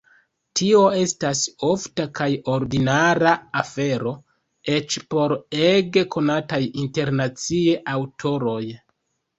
Tio estas ofta kaj ordinara afero, eĉ por ege konataj internacie aŭtoroj.